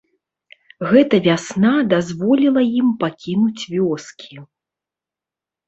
Гэта вясна дазволіла ім пакінуць вёскі.